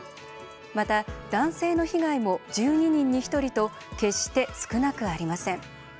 また男性の被害も１２人に１人と決して少なくありません。